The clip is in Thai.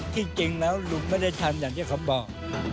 ที่จริงแล้วลุงไม่ได้ทำอย่างที่เขาบอก